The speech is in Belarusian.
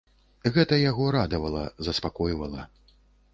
Гэта яго радавала, заспакойвала.